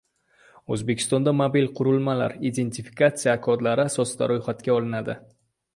O‘zbekistonda mobil qurilmalar identifikatsiya kodlari asosida ro‘yxatga olinadi